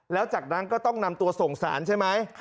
แล้วจากนั้นก็ต้องนำตัวส่งสารใช่ไหม